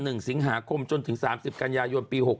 ถึงหาคมจนถึง๓๐กันยายนปี๖๖